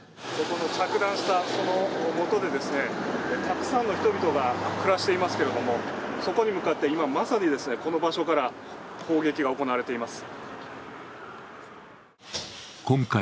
着弾したもとで、たくさんの人々が暮らしていますけれどもそこに向かって、今まさにこの場所から砲撃が行われています。